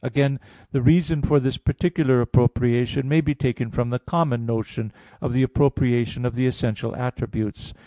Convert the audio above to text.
Again, the reason for this particular appropriation may be taken from the common notion of the appropriation of the essential attributes.